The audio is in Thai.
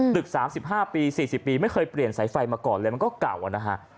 ๓๕ปี๔๐ปีไม่เคยเปลี่ยนสายไฟมาก่อนเลยมันก็เก่านะฮะ